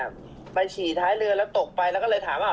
ไปฉี่ท้ายเรือแล้วตกไปแล้วก็เลยถามว่า